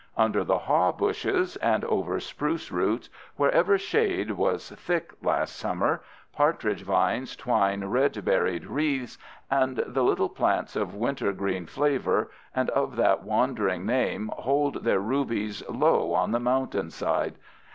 Under the haw bushes and over spruce roots, wherever shade was thick last summer, partridge vines twine red berried wreaths and the little plants of wintergreen flavor and of that wandering name hold their rubies low on the mountain side.